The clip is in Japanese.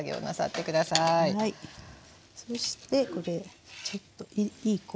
そしてこれちょっといい子を。